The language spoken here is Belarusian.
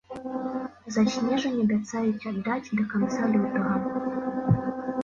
За снежань абяцаюць аддаць да канца лютага.